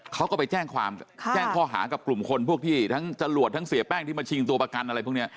เขาก็ไปแจ้งความแจ้งข้อหากับกลุ่มคนพวกที่ทั้งจรวดทั้งเสียแป้งที่มาชิงตัวประกันอะไรพวกนี้